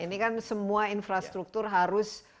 ini kan semua infrastruktur harus